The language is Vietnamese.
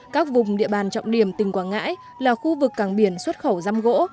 các vùng địa bàn trọng điểm tỉnh quảng ngãi là khu vực cảng biển xuất khẩu răm gỗ